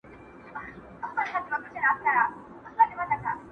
o تروږمۍ چي ډېره سي، سهار نژدې کېږي٫